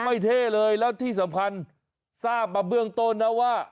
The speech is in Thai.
เท่เลยแล้วที่สำคัญทราบมาเบื้องต้นนะว่า